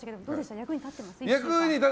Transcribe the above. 役に立ってますか？